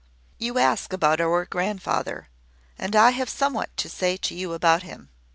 "You ask about your grandfather; and I have somewhat to say to you about him.